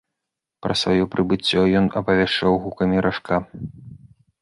Пра сваё прыбыццё ён апавяшчаў гукамі ражка.